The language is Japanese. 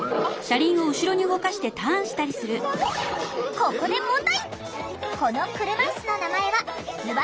ここで問題！